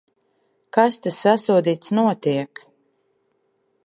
Kas te, sasodīts, notiek?